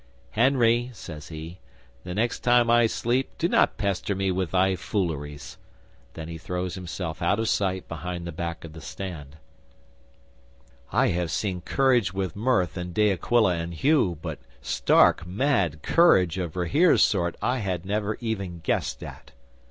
"Henry," says he, "the next time I sleep, do not pester me with thy fooleries." Then he throws himself out of sight behind the back of the stand. 'I have seen courage with mirth in De Aquila and Hugh, but stark mad courage of Rahere's sort I had never even guessed at.